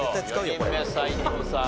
４人目斎藤さん